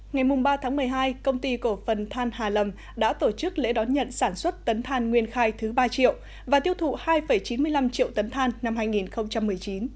ngày ba tháng một mươi hai công ty cổ phần than hà lầm đã tổ chức lễ đón nhận sản xuất tấn than nguyên khai thứ ba triệu và tiêu thụ hai chín mươi năm triệu tấn than năm hai nghìn một mươi chín